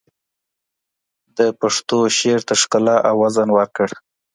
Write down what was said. ده پښتو شعر ته ښکلا او وزن ورکړ